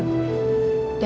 aku yang ngajak